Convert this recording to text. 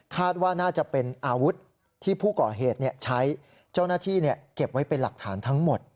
ว่าน่าจะเป็นอาวุธที่ผู้ก่อเหตุใช้เจ้าหน้าที่เก็บไว้เป็นหลักฐานทั้งหมด